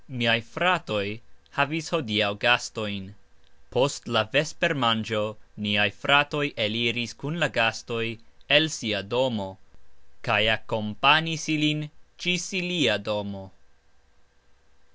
Miaj fratoj havis hodiaux gastojn; post la vespermangxo niaj fratoj eliris kun la gastoj el sia domo kaj akompanis ilin gxis ilia domo.